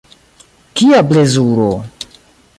Kia plezuro!